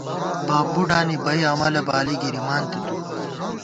باب بُوڈانی بئ عملَہ ، بالی گِرِمان تی تُو